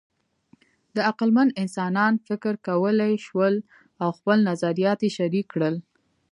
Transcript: د عقلمن انسانان فکر کولی شول او خپل نظریات یې شریک کړل.